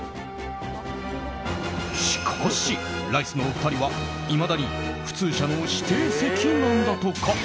しかし、ライスのお二人はいまだに普通車の指定席なんだとか。